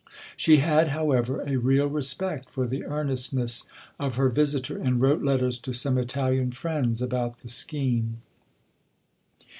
She had, however, a real respect for the earnestness of her visitor, and wrote letters to some Italian friends about the scheme.